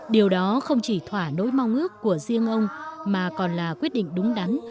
điều đó không chỉ thỏa nỗi mong ước của riêng ông mà còn là quyết định đúng đắn